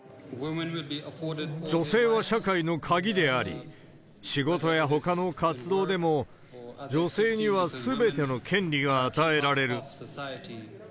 女性は社会の鍵であり、仕事やほかの活動でも、女性にはすべての権利が与えられる。